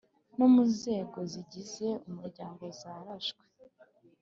no mu nzego zigize Umuryango zarashwe